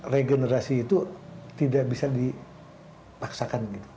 regenerasi itu tidak bisa dipaksakan